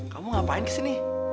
kamu ngapain kesini